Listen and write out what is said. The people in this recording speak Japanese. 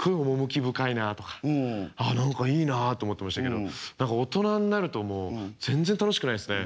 趣深いなあとかああ何かいいなあと思ってましたけど何か大人になるともう全然楽しくないっすね。